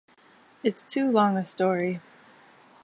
It's too long a story.